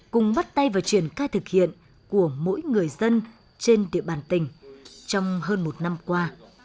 cùng bắt tay và triển khai thực hiện của mỗi người dân trên địa bàn tỉnh trong hơn một năm qua